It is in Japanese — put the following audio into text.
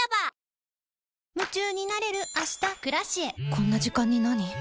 こんな時間になに？